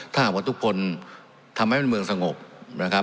ถ้าหากว่าทุกคนทำให้มันเมืองสงบนะครับ